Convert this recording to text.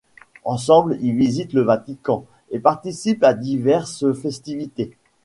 Ensembles ils visitent le Vatican et participent à diverses festivités.